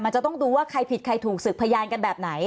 มันจะต้องดูว่าใครผิดใครถูกศึกพยานกันแบบไหน